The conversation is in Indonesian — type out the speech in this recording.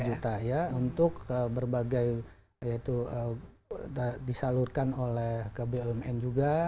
dua juta ya untuk berbagai disalurkan oleh ke bumn juga